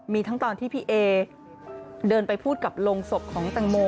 มีทั้งตอนที่พี่เอเดินไปพูดกับโรงศพของแตงโม